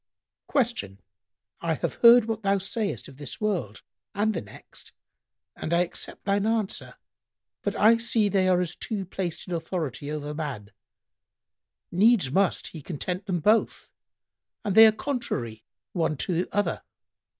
Q "I have heard what thou sayest of this world and the next and I accept thine answer; but I see they are as two placed in authority over man; needs must he content them both, and they are contrary one to other.